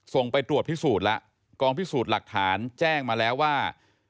ไปตรวจพิสูจน์แล้วกองพิสูจน์หลักฐานแจ้งมาแล้วว่า